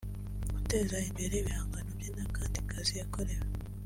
guteza imbere ibihangano bye n’akandi kazi yakorewe